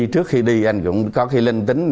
trước khi đi anh cũng có khi linh tính